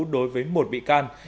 đối với một bị can